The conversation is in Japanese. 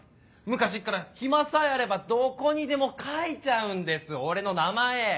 昔から暇さえあればどこにでも書いちゃうんです俺の名前。